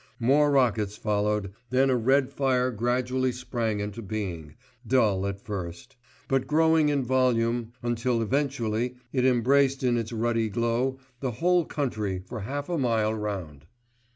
More rockets followed, then a red fire gradually sprang into being, dull at first; but growing in volume until eventually it embraced in its ruddy glow the whole country for half a mile round.